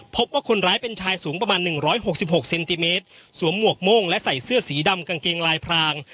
พบว่าคนร้ายเป็นชายสูงประมาณ๑๖๖เซนติเมตรสวมหมวกโม่งและใส่เสื้อสีดำกางเกงลายพราง